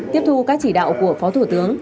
tiếp thu các chỉ đạo của phó thủ tướng